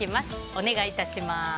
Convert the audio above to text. お願いいたします。